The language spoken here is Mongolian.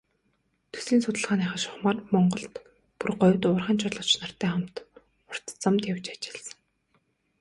Төслийн судалгааныхаа шугамаар Монголд, бүр говьд уурхайн жолооч нартай хамт урт замд явж ажилласан.